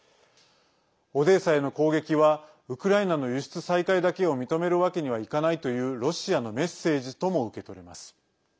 オデーサへの攻撃はウクライナの輸出再開だけを認めるわけにはいかないというロシアのメッセージとも受け取れます。